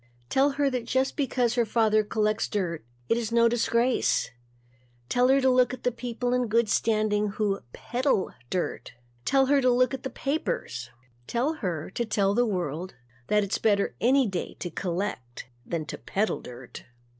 Tell her that just because her father collects dirt, it is no disgrace. Tell her to look at the people in good standing who peddle dirt. Tell her to look at the papers. Tell her to tell the world that it's better any day to collect than to peddle dirt.